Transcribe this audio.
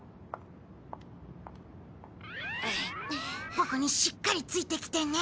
ボクにしっかりついてきてね。